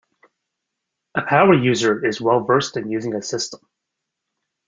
A power user is well versed in using a system.